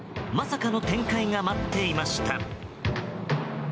まさかの展開が待っていました。